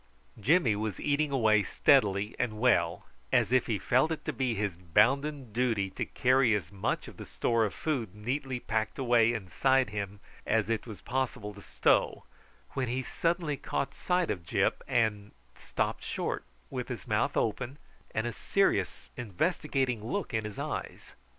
Jimmy was eating away steadily and well, as if he felt it to be his bounden duty to carry as much of the store of food neatly packed away inside him as it was possible to stow, when he suddenly caught sight of Gyp, and stopped short with his mouth open and a serious investigating look in his eyes.